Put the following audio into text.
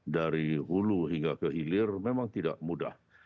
dari hulu hingga ke hilir memang tidak mudah